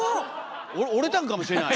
折れたんかもしれない！